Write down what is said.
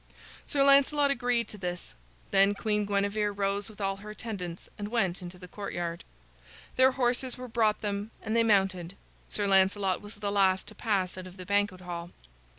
Sir Lancelot agreed to this. Then Queen Guinevere rose with all her attendants and went into the courtyard. Their horses were brought them and they mounted. Sir Lancelot was the last to pass out of the banquet hall.